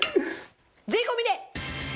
税込で。